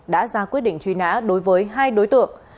đã ra quyết định truy nã đối với hai đối tượng